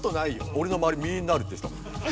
おれのまわりみんなあるって言ってたもん。